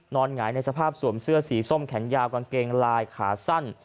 หงายในสภาพสวมเสื้อสีส้มแขนยาวกางเกงลายขาสั้น